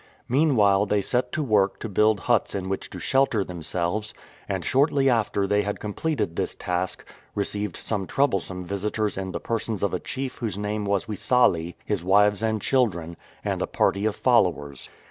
Meanwhile they set to work to build huts in which to shelter themselves ; and shortly after they had completed this task received some troublesome visitors in the persons of a chief whose name was Wissale, his wives and children, and a party of followers.